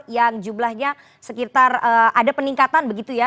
yang jumlahnya sekitar ada peningkatan begitu ya